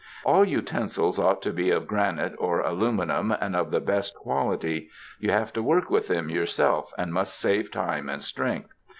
All utensils ought to be of granite or aluminum and of the best quality ; you have to work with them yourself, and must save time and strength.